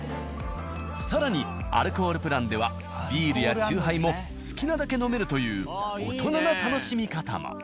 更にアルコールプランではビールやチューハイも好きなだけ飲めるという大人な楽しみ方も。